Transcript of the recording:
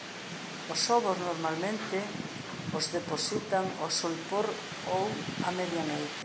Os ovos normalmente os depositan ao solpor ou a medianoite.